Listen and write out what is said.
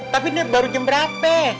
tapi ini baru jam berapa